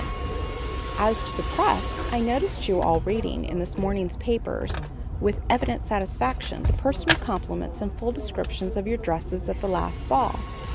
And as to the press, I noticed you all reading, in this morning's papers, with evident satisfaction, the personal compliments and full descriptions of your dresses at the last ball.